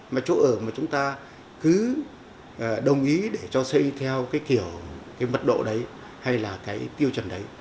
mà chỗ ở mà chúng ta cứ đồng ý để cho xây theo cái kiểu cái mật độ đấy hay là cái tiêu chuẩn đấy